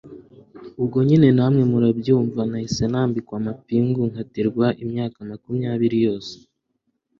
ubwo nyine namwe murabyumva, nahise nambikwa amapingu nkatirwa imyaka makumyabiri yose